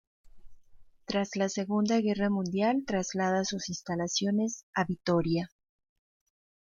Tras la Segunda Guerra Mundial traslada sus instalaciones a Vitoria.